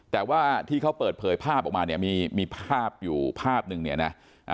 แต่ว่าที่เขาเปิดเผยภาพออกมาเนี่ยมีภาพอยู่ภาพหนึ่งเนี่ยนะ